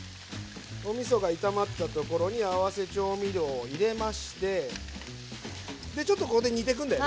炒まったところに合わせ調味料を入れましてちょっとここで煮てくんだよね。